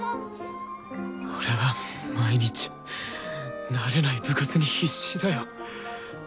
俺は毎日慣れない部活に必死だよ。